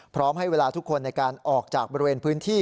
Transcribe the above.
ให้เวลาทุกคนในการออกจากบริเวณพื้นที่